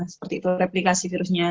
seperti itu replikasi virusnya